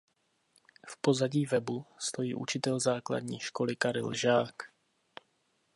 V pozadí webu stojí učitel základní školy Karel Žák.